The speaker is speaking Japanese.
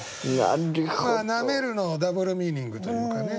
「舐める」のダブルミーニングというかね